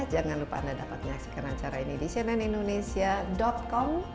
jangan lupa anda dapat menyaksikan acara ini di cnnindonesia com